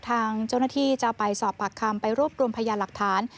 ทางเจ้าหน้าที่จะไปสอบปากคำไปรวบรวมพยานหลักฐาน